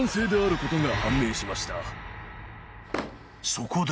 ［そこで］